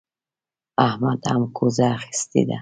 احمد هم کوزه اخيستې ده.